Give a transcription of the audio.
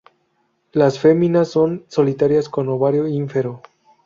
Las femeninas son solitarias, con ovario ínfero.